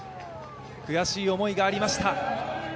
悔しい思いがありました。